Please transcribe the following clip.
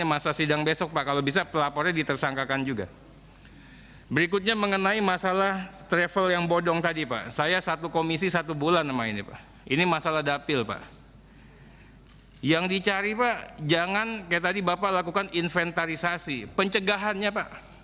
yang dicari pak jangan kayak tadi bapak lakukan inventarisasi pencegahannya pak